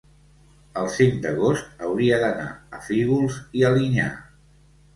el cinc d'agost hauria d'anar a Fígols i Alinyà.